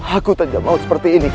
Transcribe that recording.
aku tidak mau seperti ini kakak